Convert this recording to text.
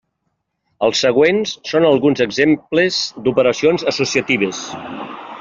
Els següents són alguns exemples d'operacions associatives.